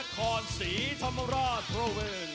สวัสดีครับทุกคน